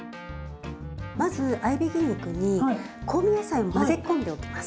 まず合いびき肉に香味野菜を混ぜ込んでおきます。